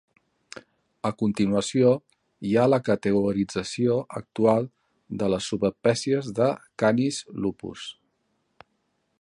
A continuació hi ha la categorització actual de les subespècies de "Canis lupus".